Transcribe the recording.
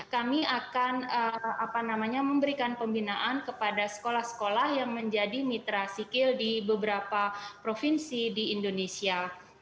kami akan memberikan pembinaan kepada sekolah sekolah yang menjadi mitra sikil di beberapa provinsi di indonesia